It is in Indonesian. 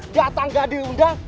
datang gak diundang